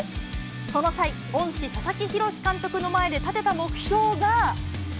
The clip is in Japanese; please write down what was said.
その際、恩師、佐々木洋監督の前で立てた目標が。